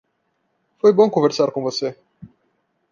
Foi bom conversar com você.